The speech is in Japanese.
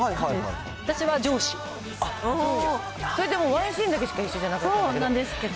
それでも、ワンシーンしか一緒じゃなかったんですけど。